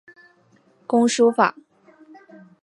工书法。